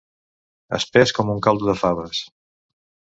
Espès com un caldo de faves.